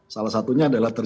salah satunya adalah pemilu